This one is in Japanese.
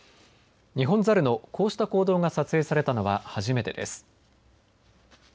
ニホンザルのこうした行動が撮影されたのは初めてです。